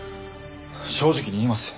正直に言います。